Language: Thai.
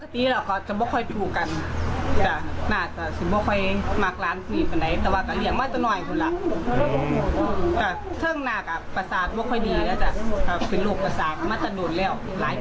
แต่เชิงหนักอ่ะประสาทไม่ค่อยดีนะจ๊ะเป็นลูกประสาทมาตะโดนแล้วหลายปีแล้ว